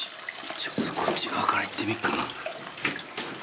ちょっとこっち側から行ってみるかな。